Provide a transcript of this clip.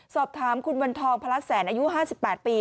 สอบถามคุณวันทองพลัดแสนอายุ๕๘ปี